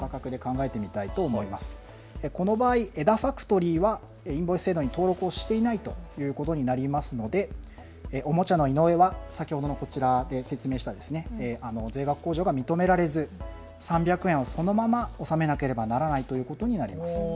この場合、江田ファクトリーはインボイス制度に登録していないということになるのでおもちゃの井上は、先ほど説明した税額控除が認められず３００円をそのまま納めることになります。